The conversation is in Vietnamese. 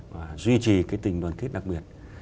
và duy trì cái tình đoàn kết đặc biệt